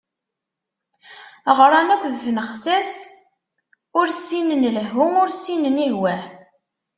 Ɣran akk deg tnexsas, ur ssinen lehhu ur ssinen ihwah.